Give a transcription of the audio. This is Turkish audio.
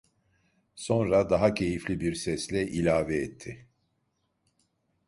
Sonra daha keyifli bir sesle ilave etti: